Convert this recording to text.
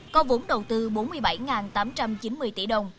có vốn đầu tư bốn mươi bảy tám trăm chín mươi tỷ đồng